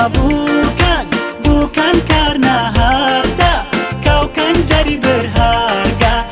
bukan bukan karena harta kau kan jadi berharga